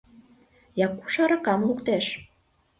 Якуш аракам луктеш.